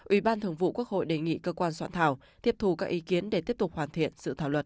ủy ban thường vụ quốc hội đề nghị cơ quan soạn thảo tiếp thù các ý kiến để tiếp tục hoàn thiện sự thảo luật